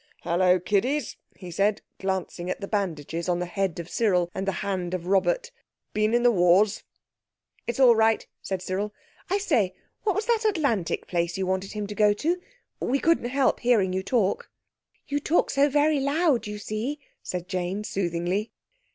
"Hullo, Kiddies," he said, glancing at the bandages on the head of Cyril and the hand of Robert, "been in the wars?" "It's all right," said Cyril. "I say, what was that Atlantic place you wanted him to go to? We couldn't help hearing you talk." "You talk so very loud, you see," said Jane soothingly.